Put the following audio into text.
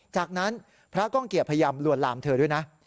จากนั้นพระก้องเกียจพยายามลวนลามเธอด้วยนะ